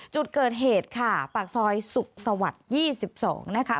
จุดเกิดเหตุค่ะปากซอยสุขสวรรค์๒๒นะคะ